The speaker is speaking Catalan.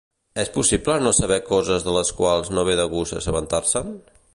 És possible no saber coses de les quals no ve de gust assabentar-se'n?